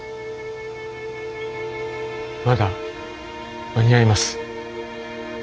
まだ間に合います。